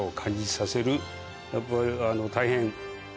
やっぱり大変。